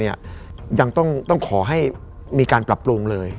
ยังต้องขอให้มีการปรับปรุงเลย